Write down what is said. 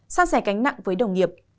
sang sẻ cánh nặng với đồng nghiệp